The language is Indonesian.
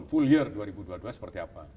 full year dua ribu dua puluh dua seperti apa